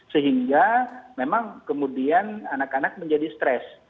sehingga memang kemudian anak anak menjadi stres